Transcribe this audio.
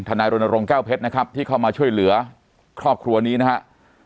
นายรณรงค์แก้วเพชรนะครับที่เข้ามาช่วยเหลือครอบครัวนี้นะครับ